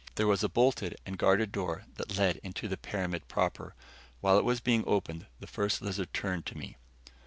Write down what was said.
There was a bolted and guarded door that led into the pyramid proper. While it was being opened, the First Lizard turned to me.